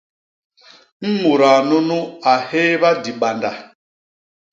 Mudaa nunu a hééba dibanda.